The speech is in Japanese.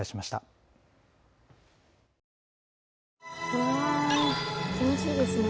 うわ気持ちいいですね。